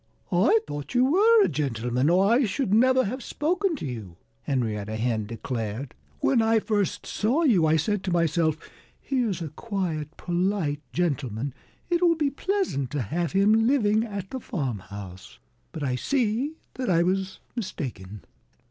"I thought you were a gentleman, or I should never have spoken to you," Henrietta Hen declared. "When I first saw you I said to myself, 'Here's a quiet, polite gentleman! It will be pleasant to have him living at the farmhouse.' But I see that I was mistaken."